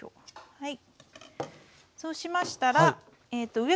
はい。